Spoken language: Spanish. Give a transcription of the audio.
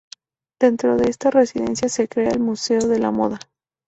Dentro de esta residencia se crea el Museo de la Moda.